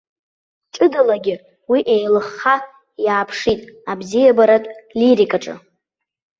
Ҷыдалагьы уи еилыхха иааԥшит абзиабаратә лирикаҿы.